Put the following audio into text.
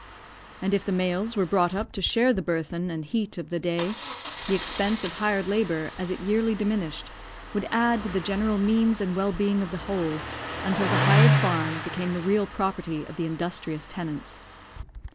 And if the males were brought up to share the burthen and heat of the day, the expense of hired labour, as it yearly diminished, would add to the general means and well being of the whole, until the hired farm became the real property of the industrious tenants.